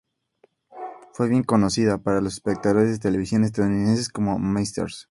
Fue bien conocida, para los espectadores de televisión estadounidenses, como Mrs.